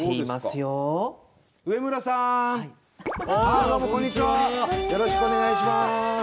よろしくお願いします。